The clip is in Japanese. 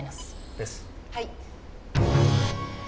はい。